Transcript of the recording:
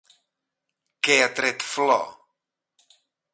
Què ha tret flor?